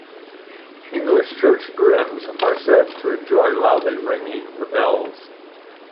English church grims are said to enjoy loudly ringing the bells.